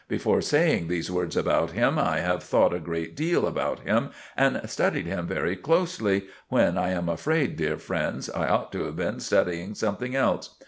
Before saying these words about him I have thought a great deal about him and studied him very closely, when, I am afraid, dear friends, I ought to have been studying something else.